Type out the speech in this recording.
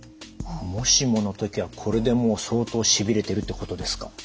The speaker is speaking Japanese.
もしもの時はこれでもう相当しびれてるってことですか？